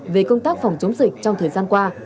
về công tác phòng chống dịch trong thời gian qua